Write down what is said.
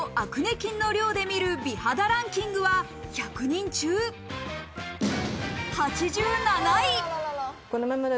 菌の量でみる美肌ランキングは１００人中８７位。